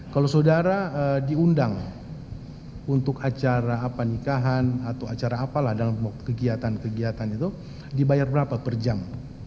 kalau saudara diundang untuk acara apa nikahan atau acara apalah dalam kegiatan kegiatan itu dibayar berapa per jam